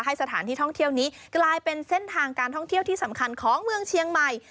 สถานที่ท่องเที่ยวนี้กลายเป็นเส้นทางการท่องเที่ยวที่สำคัญของเมืองเชียงใหม่